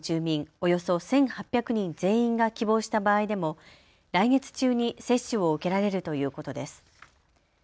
およそ１８００人全員が希望した場合でも来月中に接種を受けられるということです。